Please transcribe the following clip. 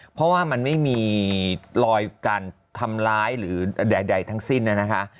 เพราะว่ามันไม่มีรอยการทำร้ายหรือใดทั้งสิ้นนะคะ